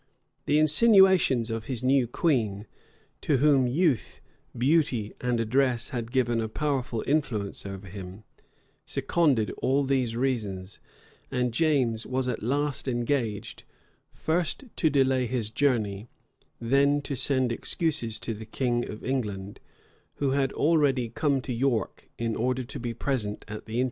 [*] The insinuations of his new queen, to whom youth, beauty, and address had given a powerful influence over him, seconded all these reasons; and James was at last engaged, first to delay his journey, then to send excuses to the king of England, who had already come to York in order to be present at the interview.